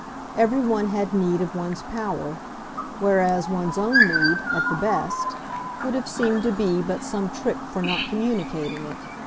Everyone had need of one's power, whereas one's own need, at the best, would have seemed to be but some trick for not communicating it.